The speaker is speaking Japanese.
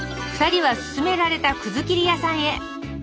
２人はすすめられたくずきり屋さんへ。